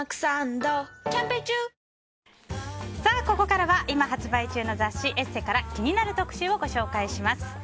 ここからは今発売中の雑誌「ＥＳＳＥ」から気になる特集をご紹介します。